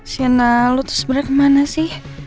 sienna lo tuh sebenarnya kemana sih